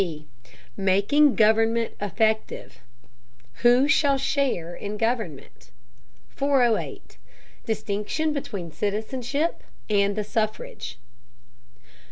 B. MAKING GOVERNMENT EFFECTIVE CHAPTER XXXIII WHO SHALL SHARE IN GOVERNMENT? 408. DISTINCTION BETWEEN CITIZENSHIP AND THE SUFFRAGE.